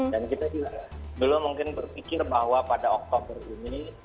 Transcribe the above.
dan kita juga belum mungkin berpikir bahwa pada oktober ini